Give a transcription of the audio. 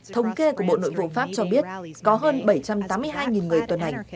thống kê của bộ nội vụ pháp cho biết có hơn bảy trăm tám mươi hai người tuần hành